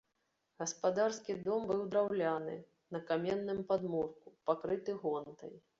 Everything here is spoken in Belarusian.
Гаспадарскі дом быў драўляны, на каменным падмурку, пакрыты гонтай.